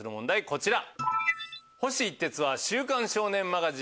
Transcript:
こちら。